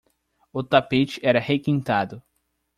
O tapete era requintado.